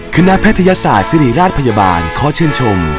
แพทยศาสตร์ศิริราชพยาบาลขอชื่นชม